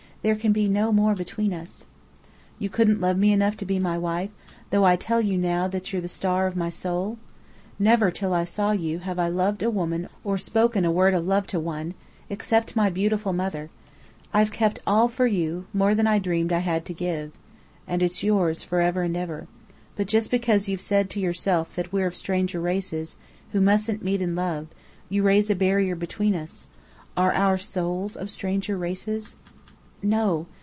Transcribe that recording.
There can be no more between us." "You couldn't love me enough to be my wife, though I tell you now that you're the star of my soul? Never till I saw you, have I loved a woman or spoken a word of love to one, except my beautiful mother. I've kept all for you, more than I dreamed I had to give. And it's yours for ever and ever. But just because you've said to yourself that we're of stranger races, who mustn't meet in love, you raise a barrier between us. Are our souls of stranger races?" "No.